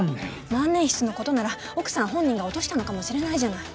万年筆のことなら奥さん本人が落としたのかもしれないじゃない。